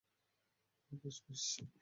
হ্যাঁ, বেশ, বেশ।